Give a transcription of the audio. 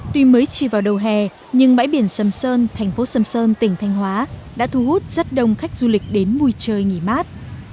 tuy mới chỉ vào đầu hè nhưng bãi biển sâm sơn thành phố sâm sơn tỉnh thanh hóa đã thu hút rất đông khách du lịch đến mùi trời nghỉ mát